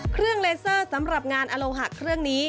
เลเซอร์สำหรับงานอโลหะเครื่องนี้